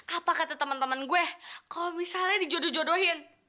apa kata temen temen gue kalo misalnya dijodoh jodohin